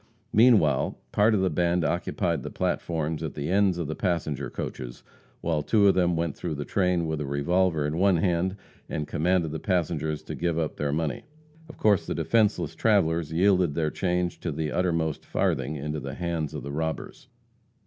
Meanwhile, part of the band occupied the platforms at the ends of the passenger coaches, while two of them went through the train with a revolver in one hand and commanded the passengers to give up their money. Of course the defenseless travellers yielded their change to the uttermost farthing into the hands of the robbers.